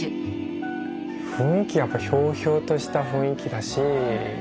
雰囲気はやっぱひょうひょうとした雰囲気だし